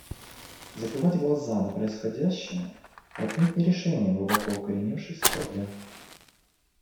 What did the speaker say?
Закрывать глаза на происходящее — отнюдь не решение глубоко укоренившихся проблем.